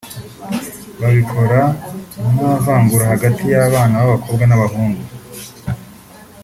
babikora nta vangura hagati y’abana b’abakobwa n’abahungu